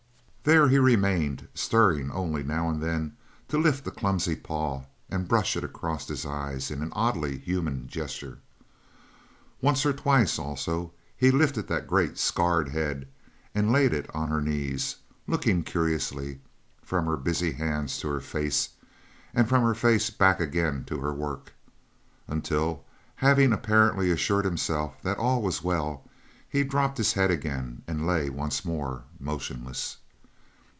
There he remained, stirring only now and then to lift a clumsy paw and brush it across his eyes in an oddly human gesture. Once or twice, also, he lifted that great, scarred head and laid it on her knees, looking curiously from her busy hands to her face, and from her face back again to her work, until, having apparently assured himself that all was well, he dropped his head again and lay once more motionless.